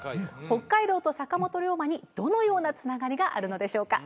北海道と坂本龍馬にどのようなつながりがあるのでしょうか？